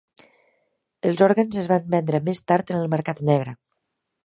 Els òrgans es van vendre més tard en el mercat negre.